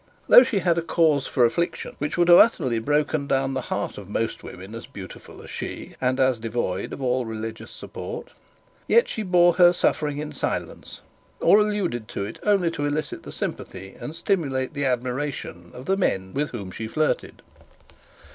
Though she had a cause for affliction which would have utterly broken down the heart of most women as beautiful as she and as devoid of all religious support, yet, she bore her suffering in silence, or alluded to it only to elicit the sympathy and stimulate the admiration of the men with whom she flirted.